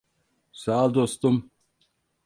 Sağol dostum.